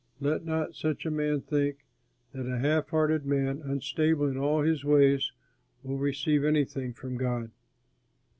Let not such a man think, that a half hearted man, unstable in all his ways, will receive anything from God.